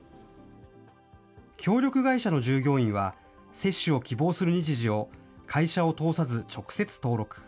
協力会社の従業員は接種を希望する日時を会社を通さず、直接登録。